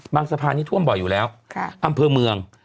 สะพานนี้ท่วมบ่อยอยู่แล้วอำเภอเมือง